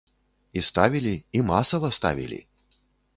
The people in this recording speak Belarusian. І ставілі, і масава ставілі.